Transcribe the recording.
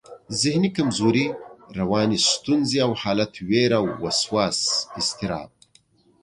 ذهني کمزوري، رواني ستونزې او حالت، وېره، وسواس، اضطراب